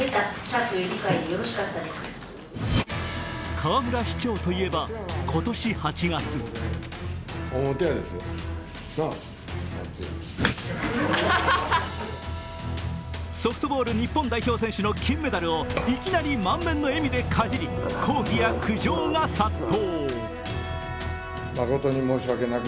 河村市長といえば今年８月ソフトボール日本代表選手の金メダルをいきなり満面の笑みでかじり、抗議や苦情が殺到。